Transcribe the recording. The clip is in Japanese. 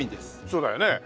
そうだよね。